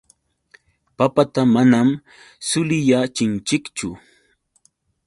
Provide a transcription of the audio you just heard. Papata manam suliyachinchikchu.